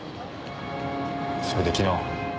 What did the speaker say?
それで昨日。